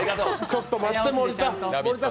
ちょっと待って、森田。